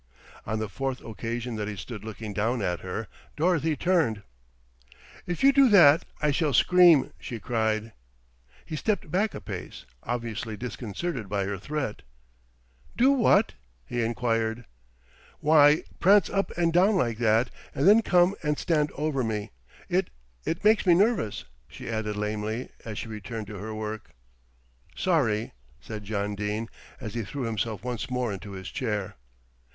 On the fourth occasion that he stood looking down at her, Dorothy turned. "If you do that, I shall scream," she cried. He stepped back a pace, obviously disconcerted by her threat. "Do what?" he enquired. "Why, prance up and down like that, and then come and stand over me. It it makes me nervous," she added lamely, as she returned to her work. "Sorry," said John Dene, as he threw himself once more into his chair.